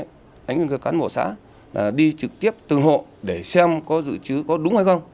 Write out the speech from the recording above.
đánh ngược các cán bộ xã đi trực tiếp từng hộ để xem có giữ chữ có đúng hay không